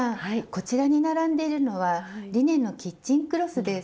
こちらに並んでいるのはリネンのキッチンクロスです。